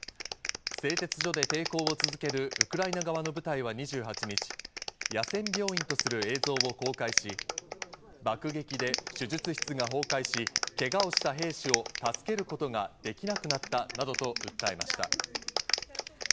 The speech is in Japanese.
製鉄所で抵抗を続けるウクライナ側の部隊は２８日、野戦病院とする映像を公開し、爆撃で手術室が崩壊し、けがをした兵士を助けることができなくなったなどと訴えました。